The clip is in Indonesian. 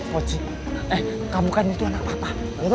boci eh kamu kan itu anak papa